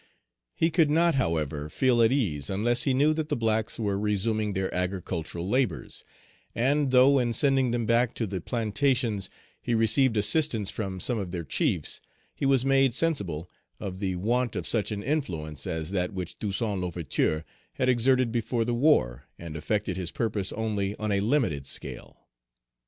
He could not, however, feel at ease unless he knew that the blacks were resuming their agricultural labors; and, though in sending them back to the plantations, he received assistance from some of their chiefs, he was made sensible of the want of such an influence as that which Toussaint L'Ouverture had exerted before the war, and effected his purpose only on a limited scale.